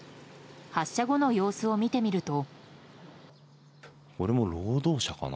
発射後の様子を見てみると。